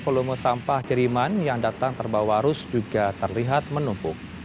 volume sampah kiriman yang datang terbawa arus juga terlihat menumpuk